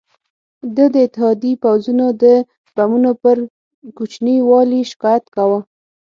ده د اتحادي پوځونو د بمونو پر کوچني والي شکایت کاوه.